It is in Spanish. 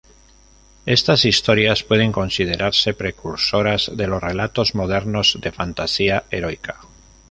Estas historias pueden considerarse precursoras de los relatos modernos de fantasía heroica.